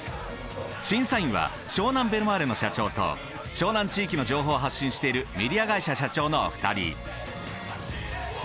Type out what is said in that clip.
審査員は湘南ベルマーレの社長と湘南地域の情報を発信しているメディア会社社長のお二人。